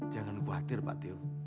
jangan khawatir pak teo